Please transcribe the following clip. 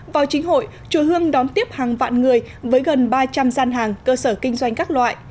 vào chính hội chùa hương đón tiếp hàng vạn người với gần ba trăm linh gian hàng cơ sở kinh doanh các loại